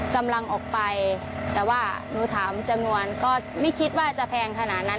กำลังออกไปแต่ว่าหนูถามจำนวนก็ไม่คิดว่าจะแพงขนาดนั้น